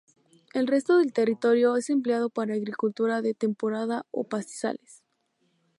El resto del territorio es empleado para agricultura de temporada o en pastizales.